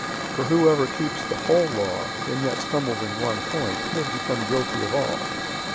002:010 For whoever keeps the whole law, and yet stumbles in one point, he has become guilty of all.